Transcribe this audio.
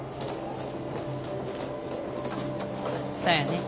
そやね。